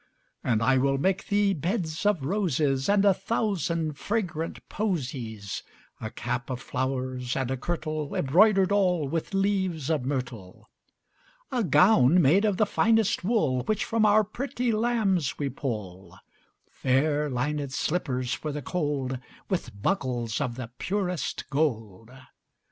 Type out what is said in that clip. And I will make thee beds of roses And a thousand fragrant posies; 10 A cap of flowers, and a kirtle Embroider'd all with leaves of myrtle. A gown made of the finest wool Which from our pretty lambs we pull; Fair linèd slippers for the cold, 15 With buckles of the purest gold.